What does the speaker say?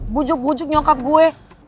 bujuk bujuk nyokap gue